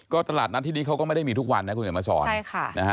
ตลาดนัดที่นี้เขาก็ไม่ได้มีทุกวันนะคุณเดี๋ยวมาสอนใช่ค่ะนะฮะ